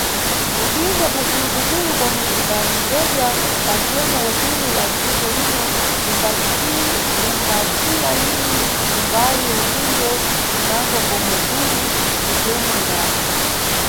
Udindo bukulubukulu bomwe budanembedwa pantemo ukulu wa dziko lino bumbasiya lini kumbali udindo bunango bomwe buli mʼmitemo inango.